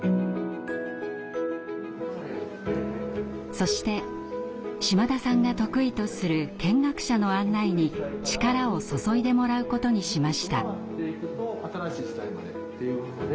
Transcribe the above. そして島田さんが得意とする見学者の案内に力を注いでもらうことにしました。